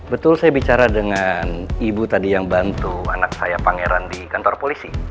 betul saya bicara dengan ibu tadi yang bantu anak saya pangeran di kantor polisi